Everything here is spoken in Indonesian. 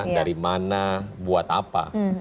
dari mana buat apa